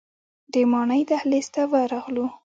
د ماڼۍ دهلیز ته ورغلو.